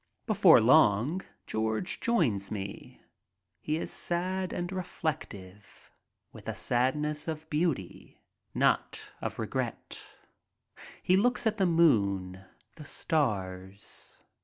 Before long George joins me. He is sad and reflective, with a sadness of beauty, not of regret. He looks at the moon, the stars.